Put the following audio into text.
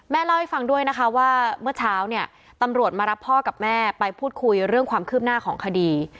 เล่าให้ฟังด้วยนะคะว่าเมื่อเช้าเนี่ยตำรวจมารับพ่อกับแม่ไปพูดคุยเรื่องความคืบหน้าของคดี